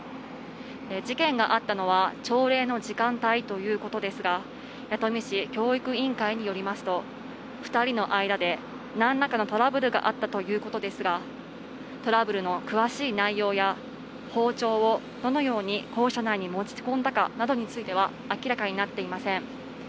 事件があったのは朝礼の時間帯ということですが、弥富市教育委員会によりますと、２人の間で何らかのトラブルがあったということですが、トラブルの詳しい内容や包丁をどのように校舎内に持ち込んだかなどについては明らかになっていません。